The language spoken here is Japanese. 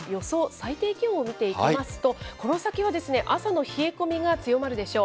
最低気温を見ていきますと、この先は朝の冷え込みが強まるでしょう。